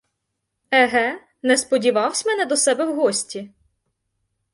Еге, не сподівавсь мене до себе в гості?